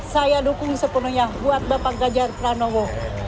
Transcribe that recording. saya dukung sepenuhnya buat bapak ganjar pranowo